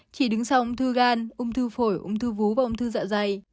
chỉ đứng sau ung thư gan ung thư phổi ung thư vú và ung thư dạ dày